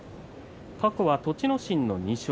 過去は栃ノ心の２勝。